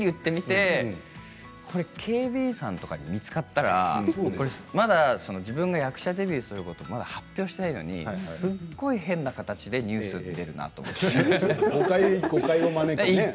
これ警備員さんとかに見つかったらまだ自分が役者デビューすることを発表していないのにすごい変な形でニュースに出るなと。